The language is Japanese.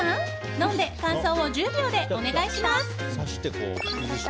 飲んで感想を１０秒でお願いします。